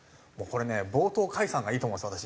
これね冒頭解散がいいと思います私。